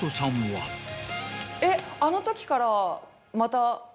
えっあのときからまた？